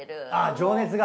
情熱が？